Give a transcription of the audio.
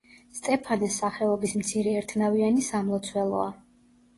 სტეფანეს სახელობის მცირე ერთნავიანი სამლოცველოა.